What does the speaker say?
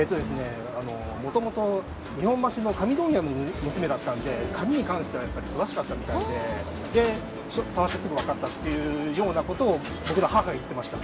もともと日本橋の紙問屋の娘だったので紙に関しては詳しかったみたいでちょっと触ってすぐ分かったと母が言っていました。